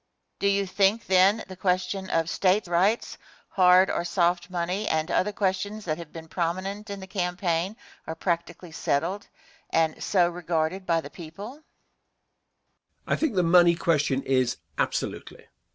Question. Do you think, then, the question of State Rights, hard or soft money and other questions that have been prominent in the campaign are practically settled, and so regarded by the people? Answer. I think the money question is, absolutely.